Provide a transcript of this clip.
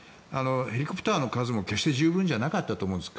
ヘリコプターの数も決して十分じゃなかったと思うんです。